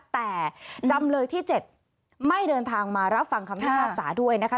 แต่จำเลยที่๗ไม่เดินทางมารับฟังคำพิพากษาด้วยนะคะ